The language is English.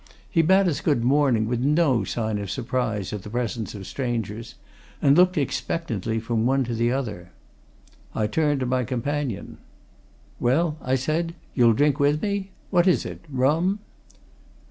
He bade us good morning, with no sign of surprise at the presence of strangers, and looked expectantly from one to the other. I turned to my companion. "Well?" I said. "You'll drink with me? What is it rum?"